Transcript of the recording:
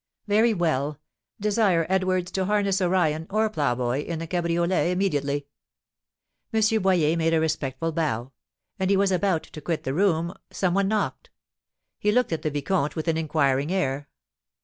"Very well. Desire Edwards to harness Orion or Ploughboy in the cabriolet immediately." M. Boyer made a respectful bow. As he was about to quit the room, some one knocked. He looked at the vicomte with an inquiring air.